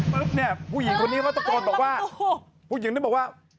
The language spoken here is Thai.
ปุ๊บเนี่ยผู้หญิงคนนี้เขาตกโกรธบอกว่า